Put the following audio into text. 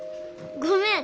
ごめん。